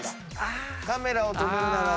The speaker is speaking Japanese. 『カメラを止めるな！』